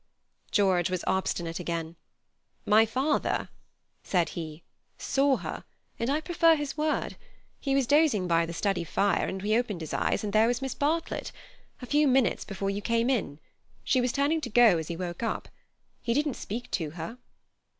George was obstinate again. "My father," said he, "saw her, and I prefer his word. He was dozing by the study fire, and he opened his eyes, and there was Miss Bartlett. A few minutes before you came in. She was turning to go as he woke up. He didn't speak to her."